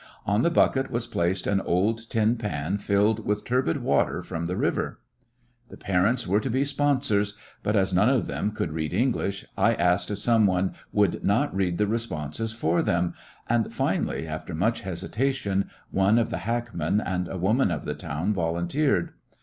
On the bucket was placed an old tin pan filled with turbid water from the river. Sponsors in The parents were to be sponsors; but as none of them could read English, I asked if some one would not read the responses for them, and finally, after much hesitation, one of the hackmen and a woman of the town vol unteered.